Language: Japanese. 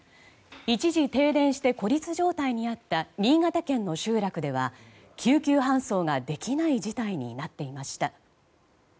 一時停電して孤立状態にあった新潟県の集落では救急搬送ができない事態になっていました。